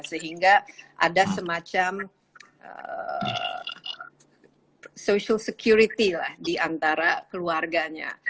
sehingga ada semacam social security di antara keluarganya